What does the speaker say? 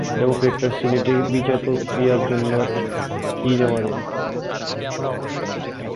ডেমোক্র্যাটরা সিনেটে বিচারপ্রক্রিয়ার জন্য কি জমা দেন?